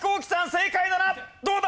正解ならどうだ？